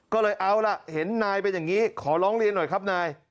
ก็เลยเอาล่ะเห็นนายเป็นอย่างนี้ขอร้องเรียนหน่อยครับนาย